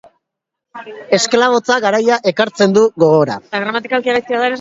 Esklabotza garaia ekartzen du gogora.